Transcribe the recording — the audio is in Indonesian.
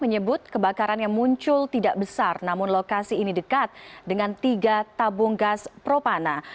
menyebut kebakaran yang muncul tidak besar namun lokasi ini dekat dengan tiga tabung gas propana